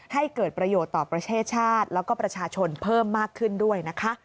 ให้เกิดประโยชน์ต่อประเทศชาติแล้วก็ประชาชนเพิ่มมากขึ้นด้วยนะคะ